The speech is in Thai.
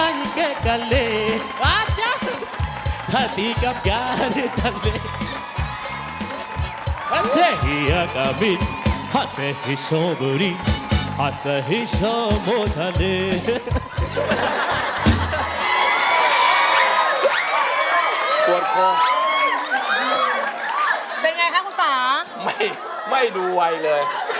นี่เล็งกับกานิแกะกาเลห่างตีกับยาหรือตาเล